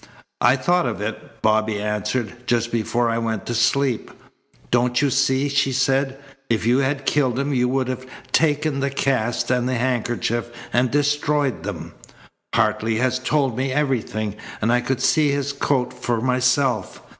"I thought of it," Bobby answered, "just before I went to sleep." "Don't you see?" she said. "If you had killed him you would have taken the cast and the handkerchief and destroyed them? Hartley has told me everything, and I could see his coat for myself.